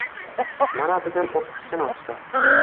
Mana bugun o‘ttiz kuni o‘tdi